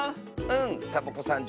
うんサボ子さん